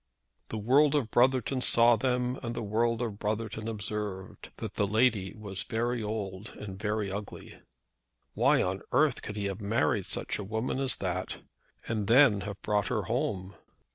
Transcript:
The world of Brotherton saw them, and the world of Brotherton observed that the lady was very old and very ugly. Why on earth could he have married such a woman as that, and then have brought her home!